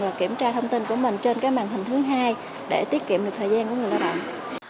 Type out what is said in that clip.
và kiểm tra thông tin của mình trên cái màn hình thứ hai để tiết kiệm được thời gian của người lao động